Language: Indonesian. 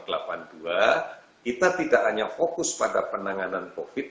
kita tidak hanya fokus pada penanganan covid sembilan belas